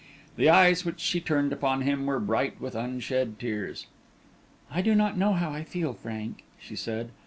The eyes which she turned upon him were bright with unshed tears. "I do not know how I feel, Frank," she said.